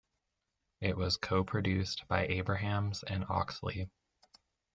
It was co-produced by Abrahams and Oxley.